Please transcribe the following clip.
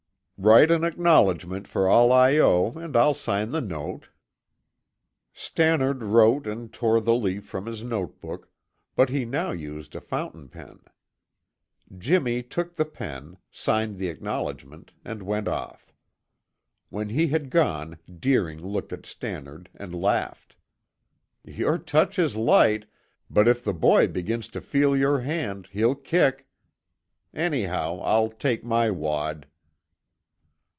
"Write an acknowledgment for all I owe and I'll sign the note." Stannard wrote and tore the leaf from his note book, but he now used a fountain pen. Jimmy took the pen, signed the acknowledgment and went off. When he had gone Deering looked at Stannard and laughed. "Your touch is light, but if the boy begins to feel your hand he'll kick. Anyhow, I'll take my wad."